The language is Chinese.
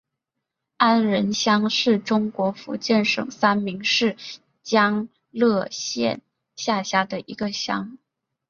安仁乡是中国福建省三明市将乐县下辖的一个乡。